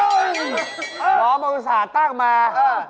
หอมอุศาติตั้งมา